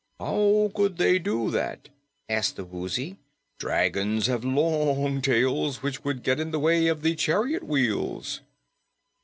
"How could they do that?" asked the Woozy. "Dragons have long tails, which would get in the way of the chariot wheels."